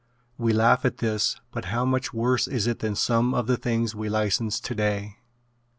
We laugh at this but how much worse is it than some of the things we license today?